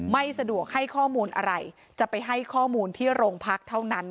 ไม่สะดวกให้ข้อมูลอะไรจะไปให้ข้อมูลที่โรงพักเท่านั้น